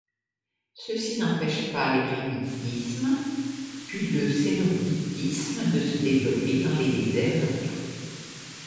Ceci n’empêche pas l’érémitisme puis le cénobitisme de se développer dans les déserts d’Orient.